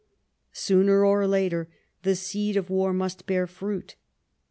Sooner or later, this seed of war must bear fruit.